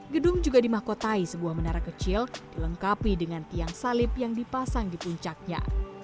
gedung juga dimahkotai sebuah menara kecil dilengkapi dengan tiang salib yang dipasang di puncaknya